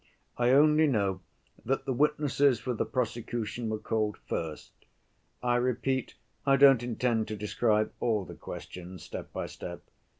I only know that the witnesses for the prosecution were called first. I repeat I don't intend to describe all the questions step by step.